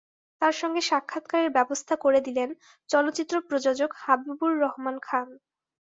তাঁর সঙ্গে সাক্ষাৎকারের ব্যবস্থা করে দিলেন চলচ্চিত্র প্রযোজক হাবিবুর রহমান খান।